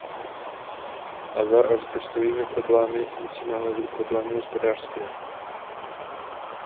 A za rozpočtovými problémy musíme hledat problémy hospodářské.